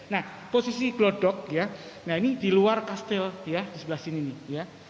nah posisi glodok ya nah ini di luar kastil ya di sebelah sini nih ya